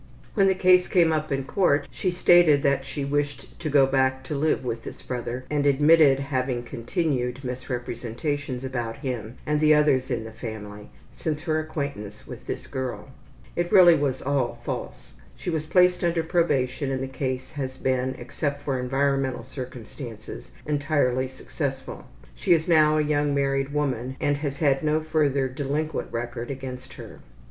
When the case came up in court she stated she wished to go back to live with this brother and admitted having continued misrepresentations about him and the others in the family since her acquaintance with this girl. It really was all false. She was placed under probation and the case has been, except for environmental circumstances, entirely successful. She is now a young married woman, and has had no further delinquent record against her.